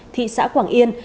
thị xã quảng yên